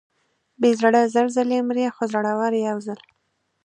بې زړه زر ځلې مري، خو زړور یو ځل.